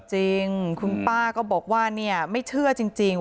จริงคุณป้าก็บอกว่าเนี่ยไม่เชื่อจริง